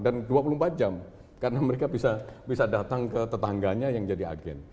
dan dua puluh empat jam karena mereka bisa datang ke tetangganya yang jadi agen